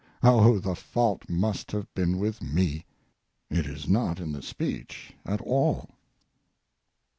Oh, the fault must have been with me, it is not in the speech at all.